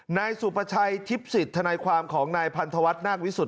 นายสุประชัยทิพย์สิทธนายความของนายพันธวัฒนาควิสุท